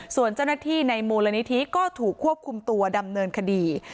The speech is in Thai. ส่วนเจ้าหน้าที่ในมูลนิธิก็ถูกควบคุมตัวดำเนินคดี